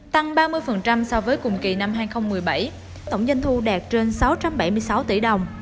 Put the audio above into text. tăng ba mươi so với cùng kỳ năm hai nghìn một mươi bảy tổng dân thu đạt trên sáu trăm bảy mươi sáu tỷ đồng